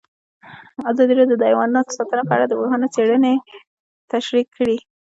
ازادي راډیو د حیوان ساتنه په اړه د پوهانو څېړنې تشریح کړې.